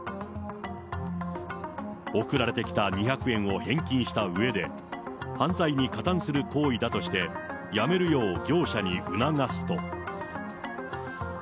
送られてきた２００円を返金したうえで、犯罪に加担する行為だとして、やめるよう業者に促すと。